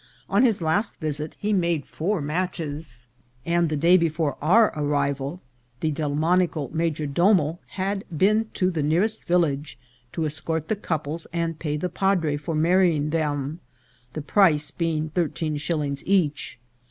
On his last visit he made four matches, and the day before our arrival the Delmonico major domo had been to the near est village to escort the couples and pay the padre for marrying them, the price being thirteen shillings each.